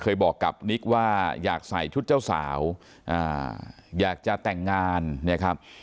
บอกกับนิกว่าอยากใส่ชุดเจ้าสาวอยากจะแต่งงานนะครับ